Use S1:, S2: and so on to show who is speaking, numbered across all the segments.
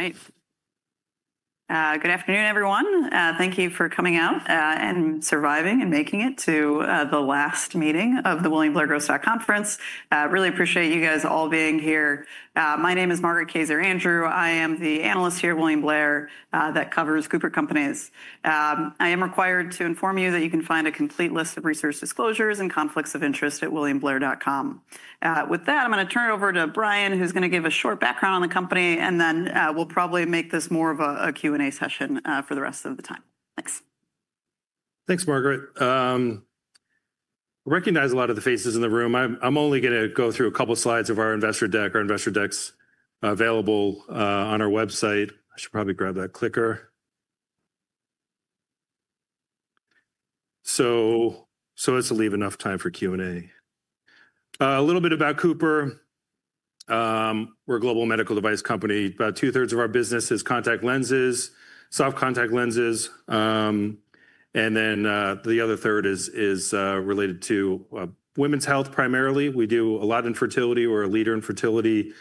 S1: All right. Good afternoon, everyone. Thank you for coming out and surviving and making it to the last meeting of the William Blair Growth Stock Conference. Really appreciate you guys all being here. My name is Margaret Kazer Andrew. I am the analyst here at William Blair that covers CooperCompanies. I am required to inform you that you can find a complete list of research disclosures and conflicts of interest at williamblair.com. With that, I'm going to turn it over to Brian, who's going to give a short background on the company, and then we'll probably make this more of a Q&A session for the rest of the time. Thanks.
S2: Thanks, Margaret. I recognize a lot of the faces in the room. I'm only going to go through a couple of slides of our investor deck, our investor deck's available on our website. I should probably grab that clicker. Let's leave enough time for Q&A. A little bit about Cooper. We're a global medical device company. About two-thirds of our business is contact lenses, soft contact lenses. The other third is related to women's health primarily. We do a lot in fertility. We're a leader in fertility.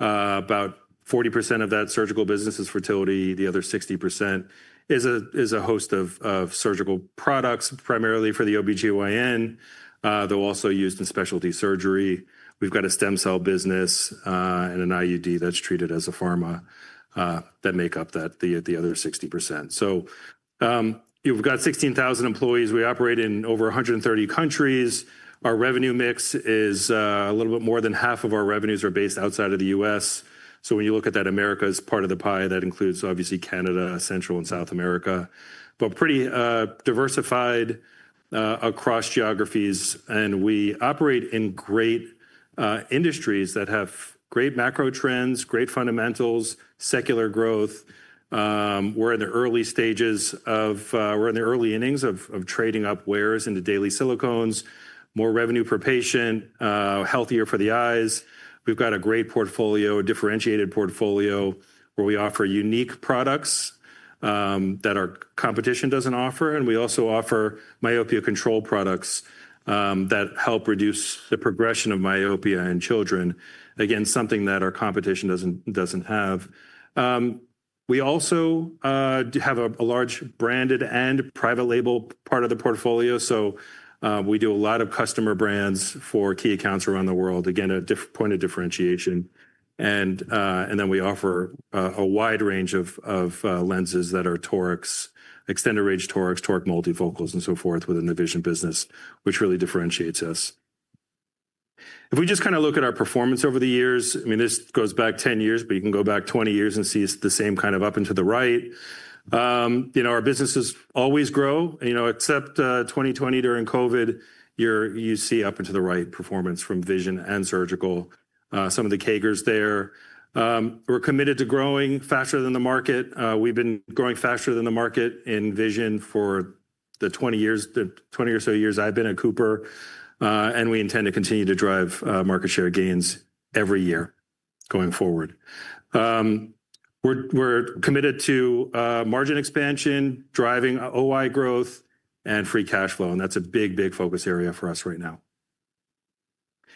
S2: About 40% of that surgical business is fertility. The other 60% is a host of surgical products, primarily for the OBGYN, though also used in specialty surgery. We've got a stem cell business and an IUD that's treated as a pharma that make up the other 60%. We've got 16,000 employees. We operate in over 130 countries. Our revenue mix is a little bit more than half of our revenues are based outside of the U.S. When you look at that, America is part of the pie. That includes, obviously, Canada, Central, and South America. Pretty diversified across geographies. We operate in great industries that have great macro trends, great fundamentals, secular growth. We're in the early stages of, we're in the early innings of trading up wearers into daily silicones, more revenue per patient, healthier for the eyes. We've got a great portfolio, a differentiated portfolio, where we offer unique products that our competition doesn't offer. We also offer myopia control products that help reduce the progression of myopia in children, again, something that our competition doesn't have. We also have a large branded and private label part of the portfolio. We do a lot of customer brands for key accounts around the world, again, a point of differentiation. Then we offer a wide range of lenses that are torics, extended range torics, toric multifocals, and so forth within the vision business, which really differentiates us. If we just kind of look at our performance over the years, I mean, this goes back 10 years, but you can go back 20 years and see it is the same kind of up and to the right. Our businesses always grow, except 2020 during COVID, you see up and to the right performance from vision and surgical, some of the CAGRs there. We are committed to growing faster than the market. We have been growing faster than the market in vision for the 20 or so years I have been at Cooper. We intend to continue to drive market share gains every year going forward. We're committed to margin expansion, driving OI growth, and free cash flow. That's a big, big focus area for us right now.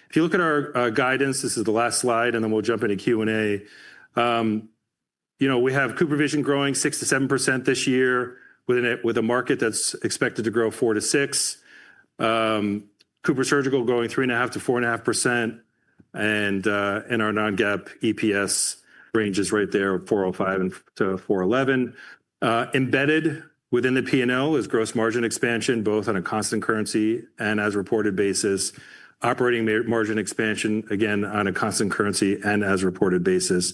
S2: If you look at our guidance, this is the last slide, and then we'll jump into Q&A. We have Cooper Vision growing 6%-7% this year with a market that's expected to grow 4%-6%. Cooper Surgical growing 3.5%-4.5%. Our non-GAAP EPS range is right there at 4.05%-4.11%. Embedded within the P&L is gross margin expansion, both on a constant currency and as reported basis. Operating margin expansion, again, on a constant currency and as reported basis.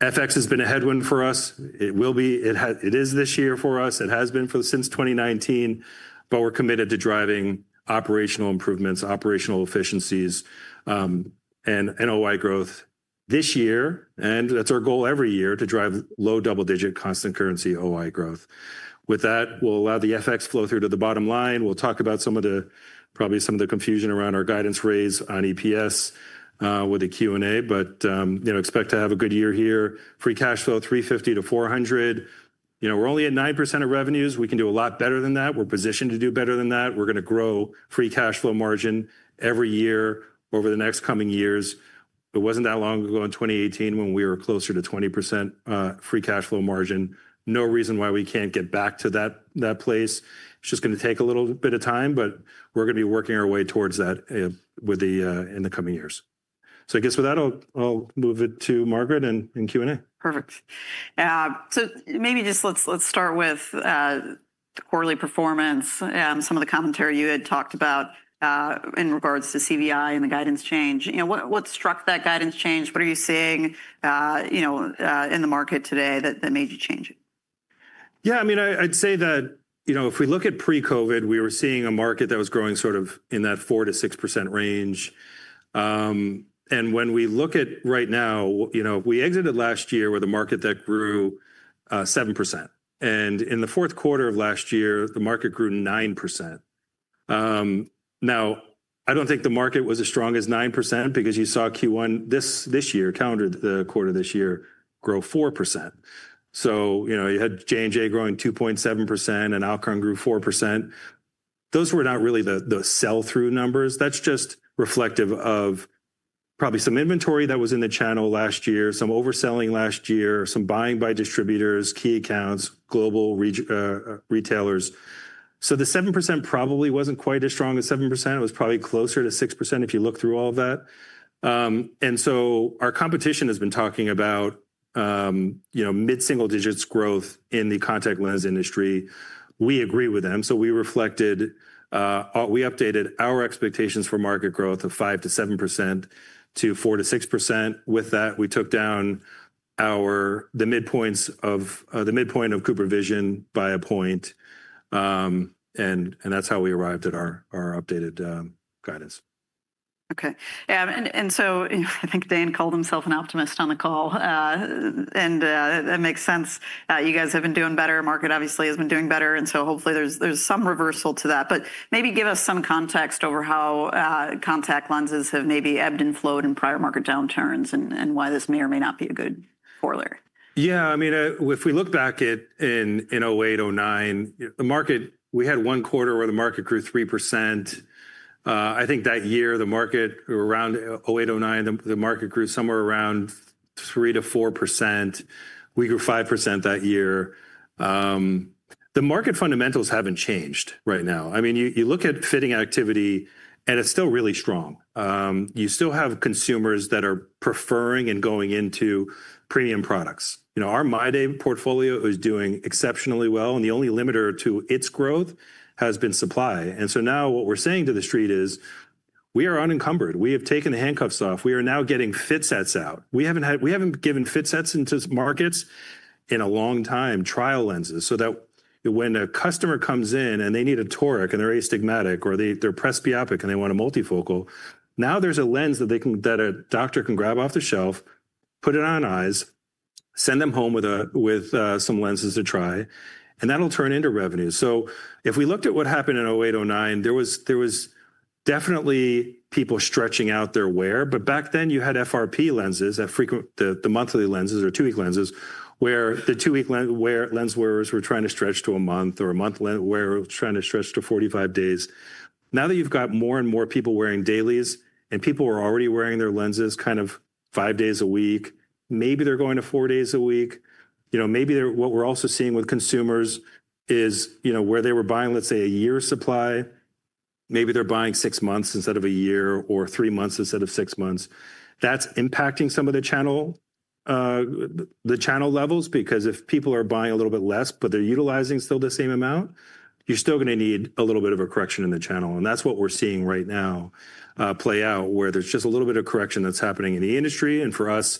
S2: FX has been a headwind for us. It will be. It is this year for us. It has been since 2019. We're committed to driving operational improvements, operational efficiencies, and OI growth this year. That's our goal every year to drive low double-digit constant currency OI growth. With that, we'll allow the FX flow through to the bottom line. We'll talk about some of the probably some of the confusion around our guidance phrase on EPS with a Q&A, but expect to have a good year here. Free cash flow $350 million-$400 million. We're only at 9% of revenues. We can do a lot better than that. We're positioned to do better than that. We're going to grow free cash flow margin every year over the next coming years. It wasn't that long ago in 2018 when we were closer to 20% free cash flow margin. No reason why we can't get back to that place. It's just going to take a little bit of time, but we're going to be working our way towards that in the coming years. I guess with that, I'll move it to Margaret and Q&A.
S1: Perfect. Maybe just let's start with the quarterly performance and some of the commentary you had talked about in regards to CVI and the guidance change. What struck that guidance change? What are you seeing in the market today that made you change it?
S2: Yeah, I mean, I'd say that if we look at pre-COVID, we were seeing a market that was growing sort of in that 4%-6% range. If we look at right now, we exited last year with a market that grew 7%. In the fourth quarter of last year, the market grew 9%. Now, I don't think the market was as strong as 9% because you saw Q1 this year, calendar quarter this year, grow 4%. You had J&J growing 2.7% and Alcon grew 4%. Those were not really the sell-through numbers. That is just reflective of probably some inventory that was in the channel last year, some overselling last year, some buying by distributors, key accounts, global retailers. The 7% probably was not quite as strong as 7%. It was probably closer to 6% if you look through all of that. Our competition has been talking about mid-single digits growth in the contact lens industry. We agree with them. We updated our expectations for market growth of 5%-7% to 4%-6%. With that, we took down the midpoint of Cooper Vision by a point. That is how we arrived at our updated guidance.
S1: Okay. I think Dan called himself an optimist on the call. That makes sense. You guys have been doing better. Margaret obviously has been doing better. Hopefully there's some reversal to that. Maybe give us some context over how contact lenses have maybe ebbed and flowed in prior market downturns and why this may or may not be a good corollary.
S2: Yeah, I mean, if we look back at in 2008, 2009, the market, we had one quarter where the market grew 3%. I think that year the market around 2008, 2009, the market grew somewhere around 3% to 4%. We grew 5% that year. The market fundamentals haven't changed right now. I mean, you look at fitting activity, and it's still really strong. You still have consumers that are preferring and going into premium products. Our MyDay portfolio is doing exceptionally well. The only limiter to its growth has been supply. Now what we're saying to the street is we are unencumbered. We have taken the handcuffs off. We are now getting fit sets out. We haven't given fit sets into markets in a long time, trial lenses. That when a customer comes in and they need a toric and they're astigmatic or they're presbyopic and they want a multifocal, now there's a lens that a doctor can grab off the shelf, put it on eyes, send them home with some lenses to try. That'll turn into revenue. If we looked at what happened in 2008, 2009, there was definitely people stretching out their wear. Back then you had FRP lenses, the monthly lenses or two-week lenses, where the two-week lens wearers were trying to stretch to a month or a month wearer was trying to stretch to 45 days. Now that you've got more and more people wearing dailies and people are already wearing their lenses kind of five days a week, maybe they're going to four days a week. Maybe what we're also seeing with consumers is where they were buying, let's say, a year's supply, maybe they're buying six months instead of a year or three months instead of six months. That's impacting some of the channel levels because if people are buying a little bit less, but they're utilizing still the same amount, you're still going to need a little bit of a correction in the channel. That's what we're seeing right now play out, where there's just a little bit of correction that's happening in the industry. For us,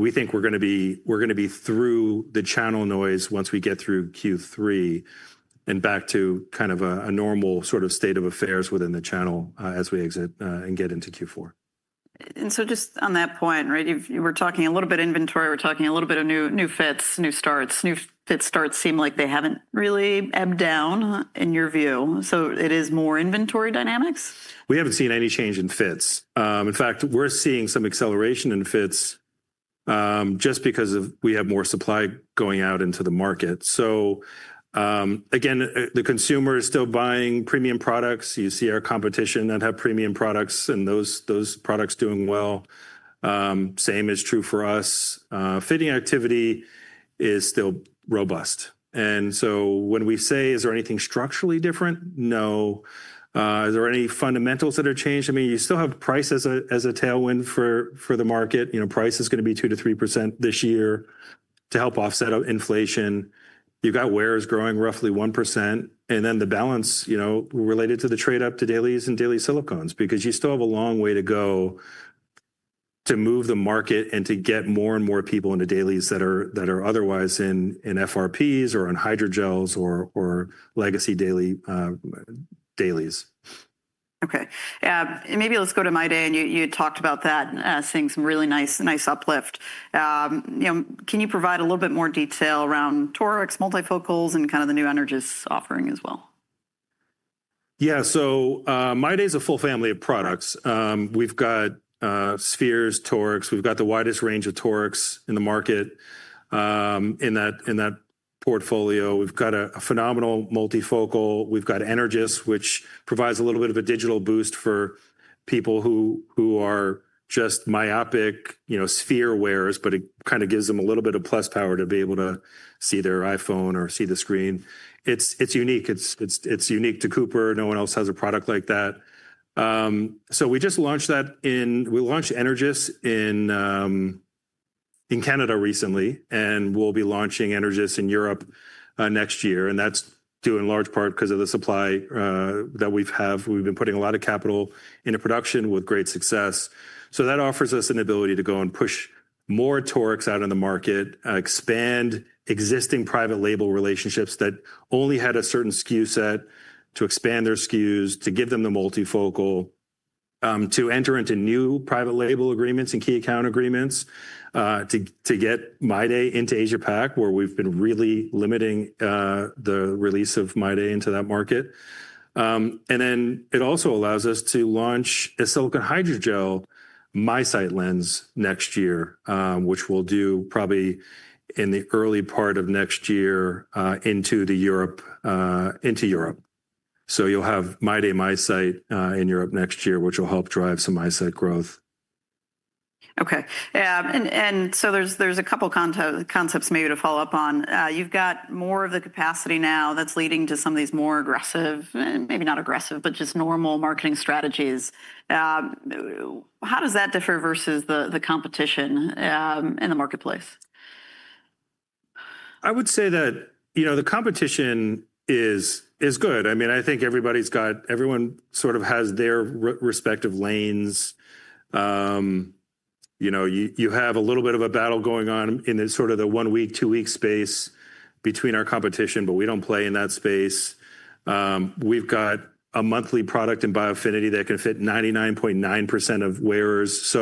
S2: we think we're going to be through the channel noise once we get through Q3 and back to kind of a normal sort of state of affairs within the channel as we exit and get into Q4.
S1: Just on that point, right, we are talking a little bit of inventory. We are talking a little bit of new fits, new starts. New fit starts seem like they have not really ebbed down in your view. It is more inventory dynamics?
S2: We haven't seen any change in fits. In fact, we're seeing some acceleration in fits just because we have more supply going out into the market. Again, the consumer is still buying premium products. You see our competition that have premium products and those products doing well. Same is true for us. Fitting activity is still robust. When we say, is there anything structurally different? No. Are there any fundamentals that are changed? I mean, you still have price as a tailwind for the market. Price is going to be 2%-3% this year to help offset inflation. You've got wearers growing roughly 1%. The balance related to the trade-up to dailies and daily silicones because you still have a long way to go to move the market and to get more and more people into dailies that are otherwise in FRPs or in hydrogels or legacy dailies.
S1: Okay. Maybe let's go to MyDay. And you had talked about that, seeing some really nice uplift. Can you provide a little bit more detail around torics, multifocals, and kind of the new Energys offering as well?
S2: Yeah. MyDay is a full family of products. We've got spheres, torics. We've got the widest range of torics in the market in that portfolio. We've got a phenomenal multifocal. We've got Energys, which provides a little bit of a digital boost for people who are just myopic sphere wearers, but it kind of gives them a little bit of plus power to be able to see their iPhone or see the screen. It's unique. It's unique to Cooper. No one else has a product like that. We just launched that in—we launched Energys in Canada recently. We'll be launching Energys in Europe next year. That is due in large part because of the supply that we've had. We've been putting a lot of capital into production with great success. That offers us an ability to go and push more torics out in the market, expand existing private label relationships that only had a certain SKU set to expand their SKUs, to give them the multifocal, to enter into new private label agreements and key account agreements to get MyDay into Asia-Pacific, where we have been really limiting the release of MyDay into that market. It also allows us to launch a silicone hydrogel MySight lens next year, which we will do probably in the early part of next year into Europe. You will have MyDay MySight in Europe next year, which will help drive some MySight growth.
S1: Okay. There's a couple of concepts maybe to follow up on. You've got more of the capacity now that's leading to some of these more aggressive, maybe not aggressive, but just normal marketing strategies. How does that differ versus the competition in the marketplace?
S2: I would say that the competition is good. I mean, I think everybody's got, everyone sort of has their respective lanes. You have a little bit of a battle going on in sort of the one-week, two-week space between our competition, but we do not play in that space. We have got a monthly product in Biofinity that can fit 99.9% of wearers.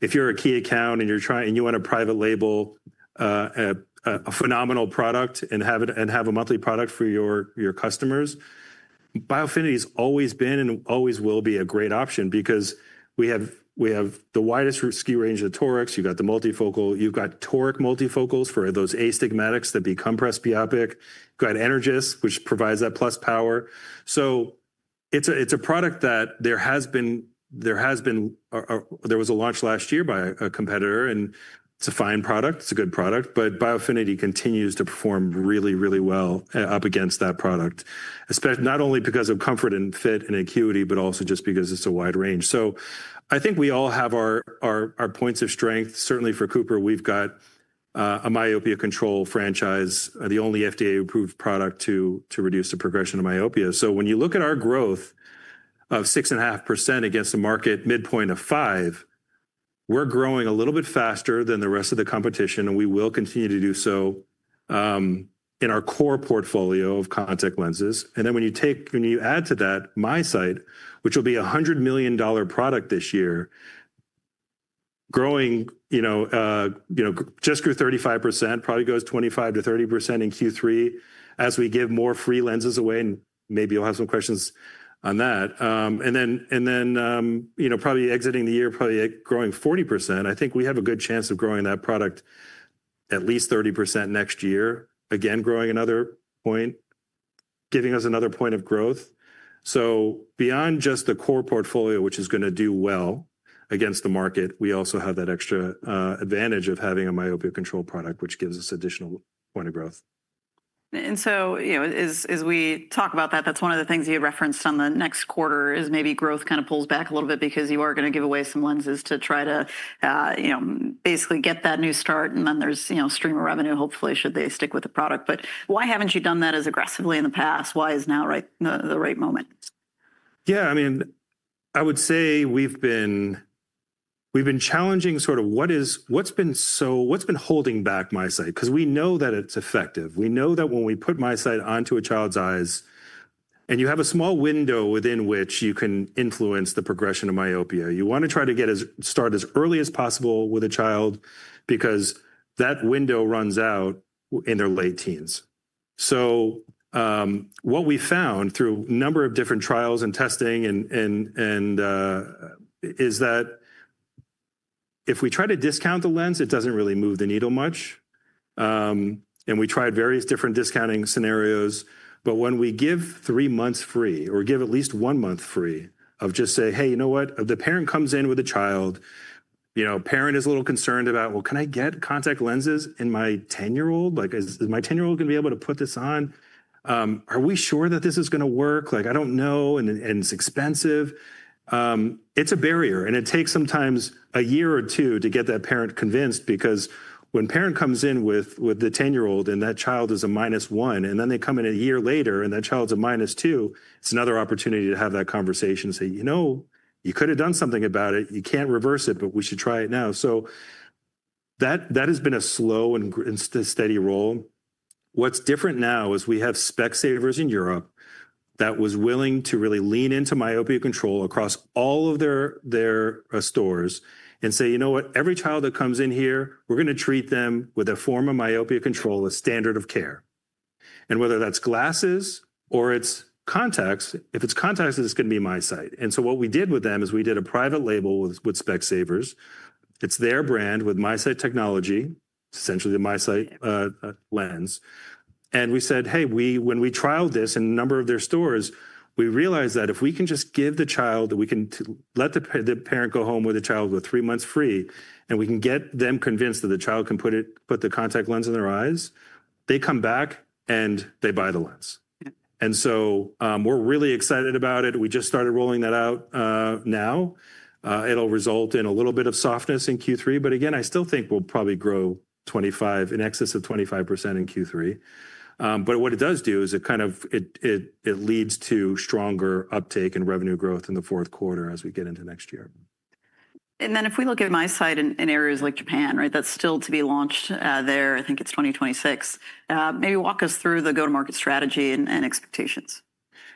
S2: If you are a key account and you want a private label, a phenomenal product, and have a monthly product for your customers, Biofinity has always been and always will be a great option because we have the widest SKU range of torics. You have got the multifocal. You have got toric multifocals for those astigmatics that become presbyopic. You have got Energys, which provides that plus power. It is a product that there has been, there was a launch last year by a competitor. It is a fine product. It's a good product. Biofinity continues to perform really, really well up against that product, not only because of comfort and fit and acuity, but also just because it's a wide range. I think we all have our points of strength. Certainly for Cooper, we've got a myopia control franchise, the only FDA-approved product to reduce the progression of myopia. When you look at our growth of 6.5% against the market midpoint of 5%, we're growing a little bit faster than the rest of the competition. We will continue to do so in our core portfolio of contact lenses. When you add to that MySight, which will be a $100 million product this year, growing just grew 35%, probably goes 25%-30% in Q3 as we give more free lenses away. Maybe you'll have some questions on that. Probably exiting the year, probably growing 40%. I think we have a good chance of growing that product at least 30% next year, again, growing another point, giving us another point of growth. Beyond just the core portfolio, which is going to do well against the market, we also have that extra advantage of having a myopia control product, which gives us additional point of growth.
S1: As we talk about that, that's one of the things you had referenced on the next quarter is maybe growth kind of pulls back a little bit because you are going to give away some lenses to try to basically get that new start. Then there's stream of revenue, hopefully, should they stick with the product. Why haven't you done that as aggressively in the past? Why is now the right moment?
S2: Yeah, I mean, I would say we've been challenging sort of what's been holding back MySight because we know that it's effective. We know that when we put MySight onto a child's eyes and you have a small window within which you can influence the progression of myopia, you want to try to get start as early as possible with a child because that window runs out in their late teens. What we found through a number of different trials and testing is that if we try to discount the lens, it doesn't really move the needle much. We tried various different discounting scenarios. When we give three months free or give at least one month free of just say, "Hey, you know what? The parent comes in with a child. Parent is a little concerned about, "Can I get contact lenses in my 10-year-old? Is my 10-year-old going to be able to put this on? Are we sure that this is going to work? I do not know. And it is expensive." It is a barrier. It takes sometimes a year or two to get that parent convinced because when parent comes in with the 10-year-old and that child is a minus 1, and then they come in a year later and that child is a minus 2, it is another opportunity to have that conversation and say, "You know, you could have done something about it. You cannot reverse it, but we should try it now." That has been a slow and steady role. What's different now is we have Specsavers in Europe that was willing to really lean into myopia control across all of their stores and say, "You know what? Every child that comes in here, we're going to treat them with a form of myopia control, a standard of care." Whether that's glasses or it's contacts, if it's contacts, it's going to be MySight. What we did with them is we did a private label with Specsavers. It's their brand with MySight technology. It's essentially the MySight lens. We said, "Hey, when we trialed this in a number of their stores, we realized that if we can just give the child, that we can let the parent go home with the child with three months free and we can get them convinced that the child can put the contact lens in their eyes, they come back and they buy the lens." We are really excited about it. We just started rolling that out now. It will result in a little bit of softness in Q3. I still think we will probably grow in excess of 25% in Q3. What it does do is it kind of leads to stronger uptake and revenue growth in the fourth quarter as we get into next year.
S1: If we look at MySight in areas like Japan, right, that's still to be launched there, I think it's 2026. Maybe walk us through the go-to-market strategy and expectations.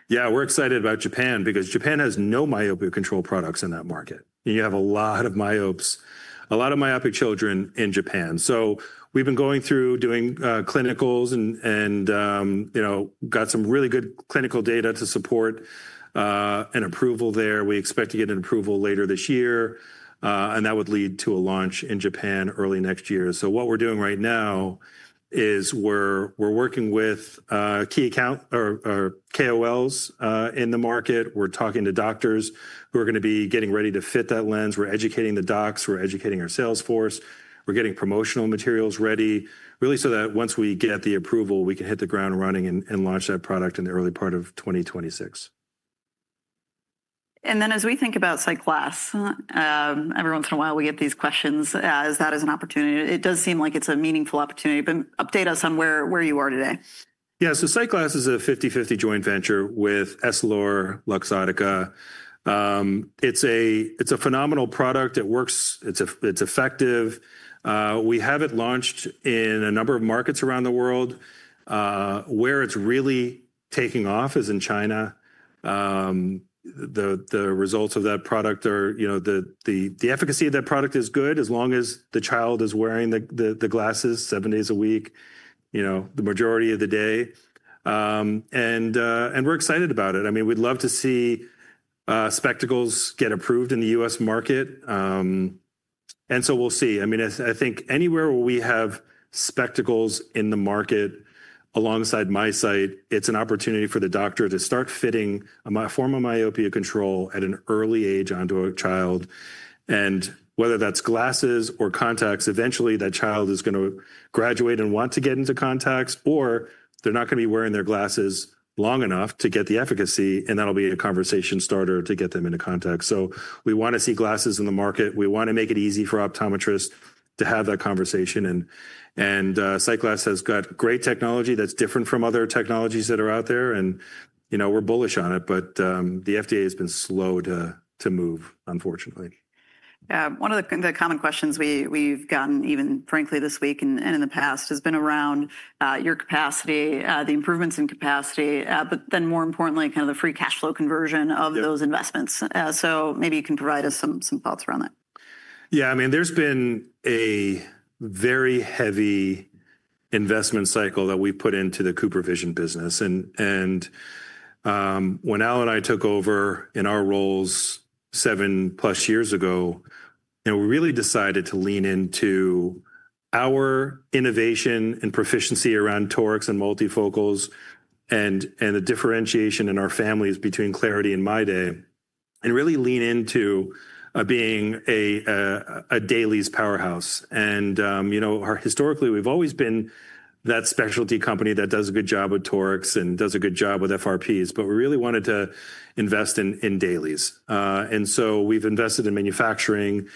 S2: Yeah, we're excited about Japan because Japan has no myopia control products in that market. You have a lot of myopes, a lot of myopic children in Japan. So we've been going through doing clinicals and got some really good clinical data to support and approval there. We expect to get an approval later this year. That would lead to a launch in Japan early next year. What we're doing right now is we're working with key account or KOLs in the market. We're talking to doctors who are going to be getting ready to fit that lens. We're educating the docs. We're educating our salesforce. We're getting promotional materials ready, really so that once we get the approval, we can hit the ground running and launch that product in the early part of 2026.
S1: As we think about Sightglass, every once in a while we get these questions as that is an opportunity. It does seem like it's a meaningful opportunity. Update us on where you are today.
S2: Yeah. Sightglass is a 50/50 joint venture with EssilorLuxottica. It's a phenomenal product. It works. It's effective. We have it launched in a number of markets around the world. Where it's really taking off is in China. The results of that product, or the efficacy of that product, is good as long as the child is wearing the glasses seven days a week, the majority of the day. We're excited about it. I mean, we'd love to see spectacles get approved in the U.S. market. We'll see. I mean, I think anywhere where we have spectacles in the market alongside MySight, it's an opportunity for the doctor to start fitting a form of myopia control at an early age onto a child. Whether that's glasses or contacts, eventually that child is going to graduate and want to get into contacts, or they're not going to be wearing their glasses long enough to get the efficacy. That will be a conversation starter to get them into contacts. We want to see glasses in the market. We want to make it easy for optometrists to have that conversation. Sightglass has got great technology that's different from other technologies that are out there. We're bullish on it. The FDA has been slow to move, unfortunately.
S1: One of the common questions we've gotten even, frankly, this week and in the past has been around your capacity, the improvements in capacity, but then more importantly, kind of the free cash flow conversion of those investments. Maybe you can provide us some thoughts around that.
S2: Yeah. I mean, there's been a very heavy investment cycle that we've put into the Cooper Vision business. And when Al and I took over in our roles seven-plus years ago, we really decided to lean into our innovation and proficiency around torics and multifocals and the differentiation in our families between Clarity and MyDay and really lean into being a dailies powerhouse. And historically, we've always been that specialty company that does a good job with torics and does a good job with FRPs. But we really wanted to invest in dailies. And so we've invested in manufacturing,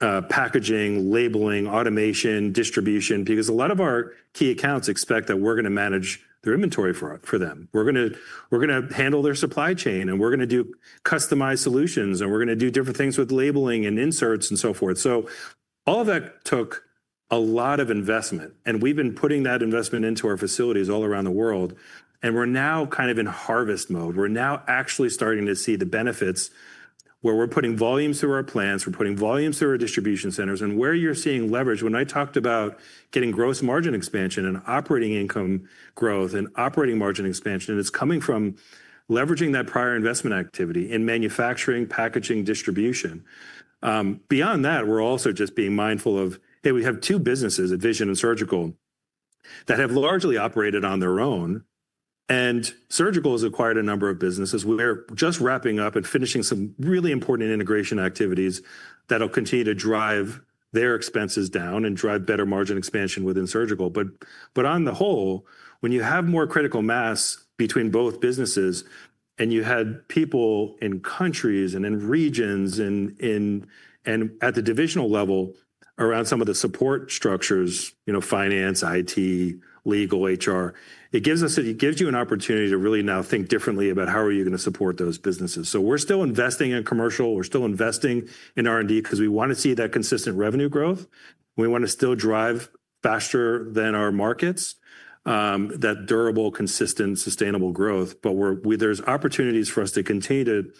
S2: packaging, labeling, automation, distribution because a lot of our key accounts expect that we're going to manage their inventory for them. We're going to handle their supply chain. And we're going to do customized solutions. And we're going to do different things with labeling and inserts and so forth. All of that took a lot of investment. We have been putting that investment into our facilities all around the world. We are now kind of in harvest mode. We are now actually starting to see the benefits where we are putting volumes through our plants. We are putting volumes through our distribution centers. You are seeing leverage, when I talked about getting gross margin expansion and operating income growth and operating margin expansion, and it is coming from leveraging that prior investment activity in manufacturing, packaging, distribution. Beyond that, we are also just being mindful of, hey, we have two businesses, a vision and surgical, that have largely operated on their own. Surgical has acquired a number of businesses. We are just wrapping up and finishing some really important integration activities that will continue to drive their expenses down and drive better margin expansion within surgical. On the whole, when you have more critical mass between both businesses and you had people in countries and in regions and at the divisional level around some of the support structures, finance, IT, legal, HR, it gives you an opportunity to really now think differently about how are you going to support those businesses. We are still investing in commercial. We are still investing in R&D because we want to see that consistent revenue growth. We want to still drive faster than our markets, that durable, consistent, sustainable growth. There are opportunities for us to continue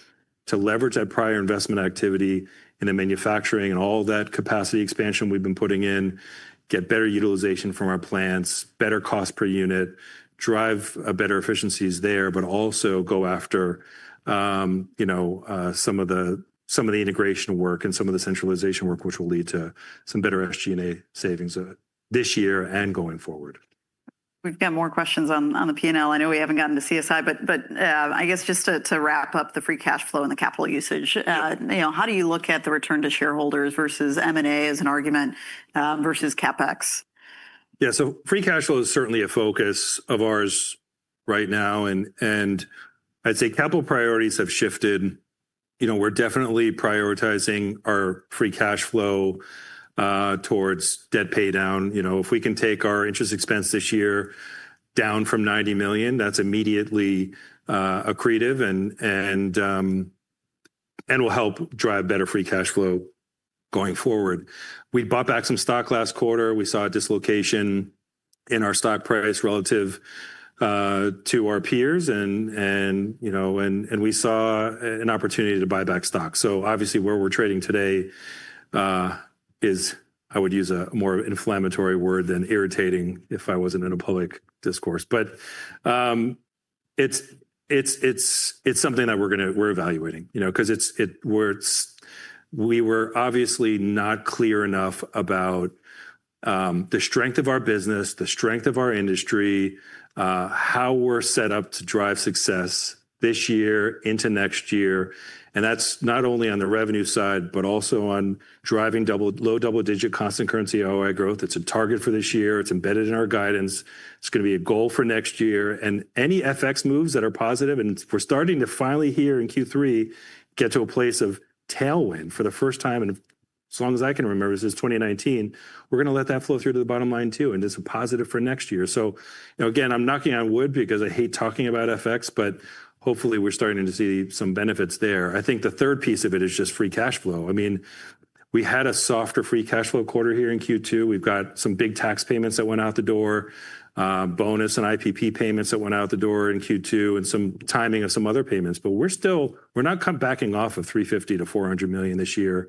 S2: to leverage that prior investment activity in the manufacturing and all that capacity expansion we've been putting in, get better utilization from our plants, better cost per unit, drive better efficiencies there, but also go after some of the integration work and some of the centralization work, which will lead to some better SG&A savings this year and going forward.
S1: We've got more questions on the P&L. I know we haven't gotten to CSI. I guess just to wrap up the free cash flow and the capital usage, how do you look at the return to shareholders versus M&A as an argument versus CapEx? Yeah. Free cash flow is certainly a focus of ours right now. I'd say capital priorities have shifted. We're definitely prioritizing our free cash flow towards debt paydown. If we can take our interest expense this year down from $90 million, that's immediately accretive and will help drive better free cash flow going forward. We bought back some stock last quarter. We saw a dislocation in our stock price relative to our peers. We saw an opportunity to buy back stock. Obviously, where we're trading today is, I would use a more inflammatory word than irritating if I wasn't in a public discourse. It's something that we're evaluating because we were obviously not clear enough about the strength of our business, the strength of our industry, how we're set up to drive success this year into next year. That's not only on the revenue side, but also on driving low double-digit constant currency ROI growth. It's a target for this year. It's embedded in our guidance. It's going to be a goal for next year. Any FX moves that are positive, and we're starting to finally here in Q3 get to a place of tailwind for the first time in, as long as I can remember, since 2019, we're going to let that flow through to the bottom line too. It's a positive for next year. Again, I'm knocking on wood because I hate talking about FX, but hopefully we're starting to see some benefits there. I think the third piece of it is just free cash flow. I mean, we had a softer free cash flow quarter here in Q2. We've got some big tax payments that went out the door, bonus and IPP payments that went out the door in Q2, and some timing of some other payments. We are not backing off of $350 million-$400 million this year.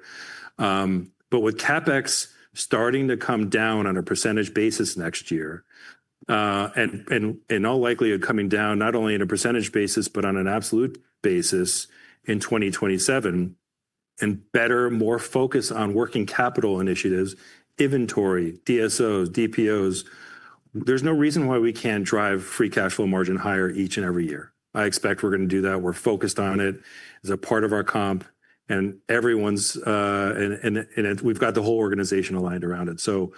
S1: With CapEx starting to come down on a percentage basis next year, and all likely coming down not only on a percentage basis, but on an absolute basis in 2027, and better, more focus on working capital initiatives, inventory, DSOs, DPOs, there's no reason why we can't drive free cash flow margin higher each and every year. I expect we're going to do that. We're focused on it as a part of our comp. We've got the whole organization aligned around it.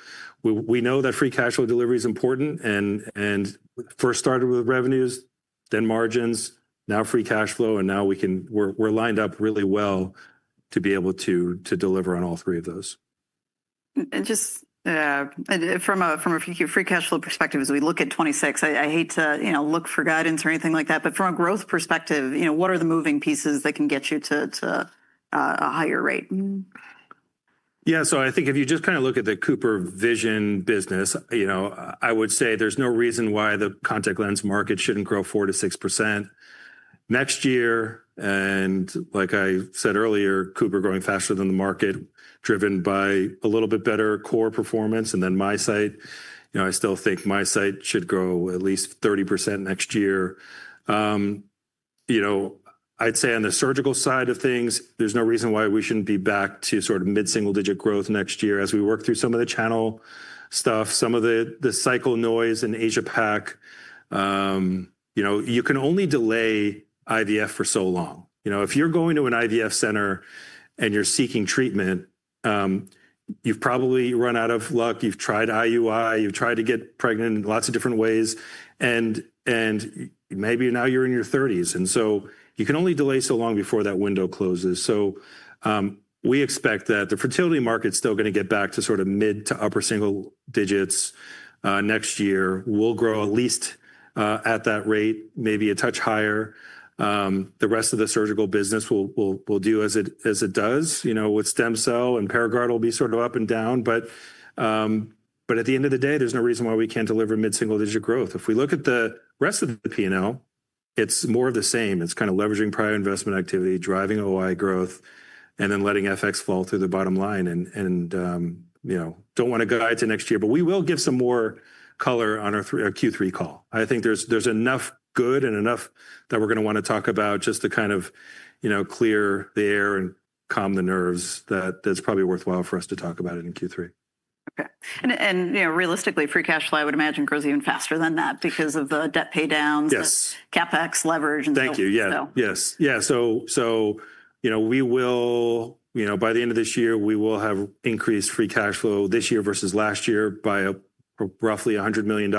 S1: We know that free cash flow delivery is important. It first started with revenues, then margins, now free cash flow. We're lined up really well to be able to deliver on all three of those. Just from a free cash flow perspective, as we look at 2026, I hate to look for guidance or anything like that. From a growth perspective, what are the moving pieces that can get you to a higher rate?
S2: Yeah. So I think if you just kind of look at the Cooper Vision business, I would say there's no reason why the contact lens market shouldn't grow 4%-6% next year. Like I said earlier, Cooper growing faster than the market, driven by a little bit better core performance. MySight, I still think MySight should grow at least 30% next year. I'd say on the surgical side of things, there's no reason why we shouldn't be back to sort of mid-single-digit growth next year as we work through some of the channel stuff, some of the cycle noise in Asia-Pacific. You can only delay IVF for so long. If you're going to an IVF center and you're seeking treatment, you've probably run out of luck. You've tried IUI. You've tried to get pregnant in lots of different ways. Maybe now you're in your 30s. You can only delay so long before that window closes. We expect that the fertility market is still going to get back to sort of mid to upper single digits next year. We will grow at least at that rate, maybe a touch higher. The rest of the surgical business will do as it does. With stem cell and Paragard, it will be sort of up and down. At the end of the day, there is no reason why we cannot deliver mid-single-digit growth. If we look at the rest of the P&L, it is more of the same. It is kind of leveraging prior investment activity, driving OI growth, and then letting FX fall through the bottom line. I do not want to guide to next year, but we will give some more color on our Q3 call. I think there's enough good and enough that we're going to want to talk about just to kind of clear the air and calm the nerves that it's probably worthwhile for us to talk about it in Q3.
S1: Okay. Realistically, free cash flow, I would imagine, grows even faster than that because of the debt paydowns, CapEx leverage, and so forth.
S2: Thank you. Yeah. Yes. Yeah. So by the end of this year, we will have increased free cash flow this year versus last year by roughly $100 million.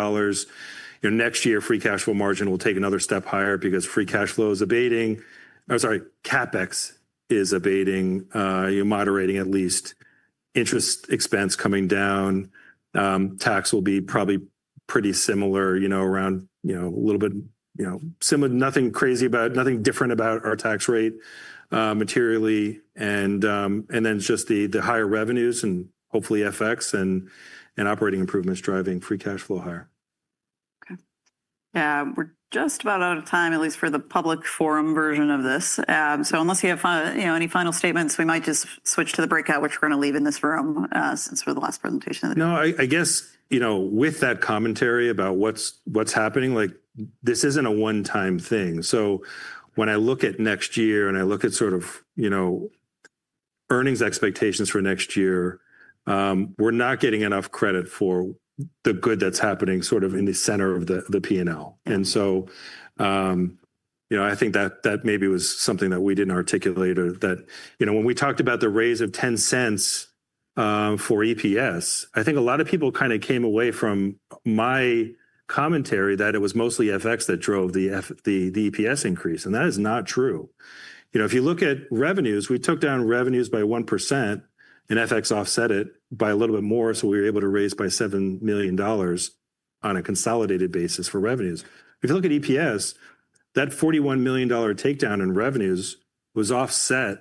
S2: Next year, free cash flow margin will take another step higher because free cash flow is abating. I'm sorry, CapEx is abating, moderating at least. Interest expense coming down. Tax will be probably pretty similar, around a little bit similar, nothing different about our tax rate materially. And then just the higher revenues and hopefully FX and operating improvements driving free cash flow higher.
S1: Okay. We're just about out of time, at least for the public forum version of this. So unless you have any final statements, we might just switch to the breakout, which we're going to leave in this room since we're the last presentation of the day.
S2: No. I guess with that commentary about what's happening, this isn't a one-time thing. When I look at next year and I look at sort of earnings expectations for next year, we're not getting enough credit for the good that's happening sort of in the center of the P&L. I think that maybe was something that we didn't articulate or that when we talked about the raise of $0.10 for EPS, I think a lot of people kind of came away from my commentary that it was mostly FX that drove the EPS increase. That is not true. If you look at revenues, we took down revenues by 1%. FX offset it by a little bit more. We were able to raise by $7 million on a consolidated basis for revenues. If you look at EPS, that $41 million takedown in revenues was offset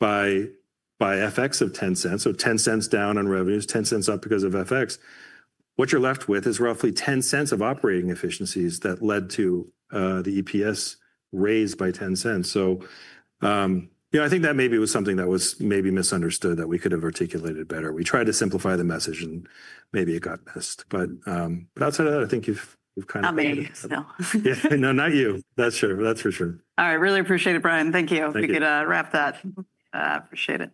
S2: by FX of $0.10. $0.10 down on revenues, $0.10 up because of FX. What you're left with is roughly $0.10 of operating efficiencies that led to the EPS raised by $0.10. I think that maybe was something that was maybe misunderstood that we could have articulated better. We tried to simplify the message. It got missed. Outside of that, I think you've kind of.
S1: Not me.
S2: Yeah. No, not you. That's true. That's for sure.
S1: All right. Really appreciate it, Brian. Thank you. We could wrap that. I appreciate it.